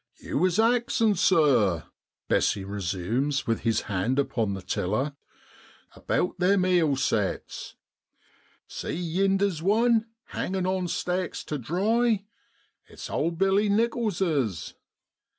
' You was axin', sir,' Bessey resumes, with his hand upon the tiller, ' about them eel sets. See yinder's one, hangin' on stakes tudry; it's old Billy Nicholls'.